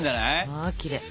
まきれい。